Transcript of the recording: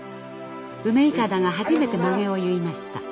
梅筏が初めてまげを結いました。